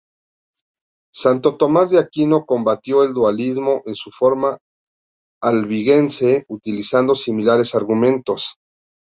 Santo Tomás de Aquino combatió el dualismo en su forma albigense utilizando similares argumentos.